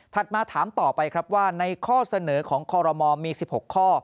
มาถามต่อไปครับว่าในข้อเสนอของคอรมอลมี๑๖ข้อ